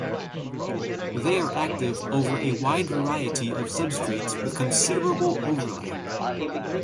They are active over a wide variety of substrates with considerable overlap.